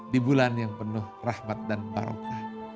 di bulan yang penuh rahmat dan barokah